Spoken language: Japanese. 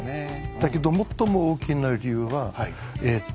だけど最も大きな理由はえっと